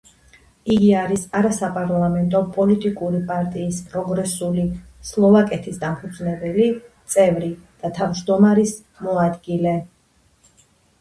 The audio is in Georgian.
იგი არის არასაპარლამენტო პოლიტიკური პარტიის პროგრესული სლოვაკეთის დამფუძნებელი წევრი და თავჯდომარის მოადგილე.